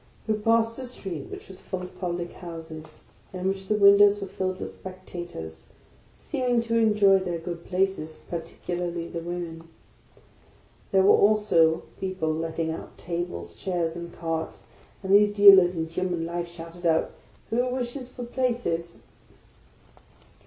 We ;g^ sed a street which was full of public houses, in which the windows were filled with spectators, seeming to en joy fl^eir good places, particularly the women. 'Ptiere were also people letting out tables, chairs, and carts ; and these dealers in human life shouted out, " Who wishes for places?"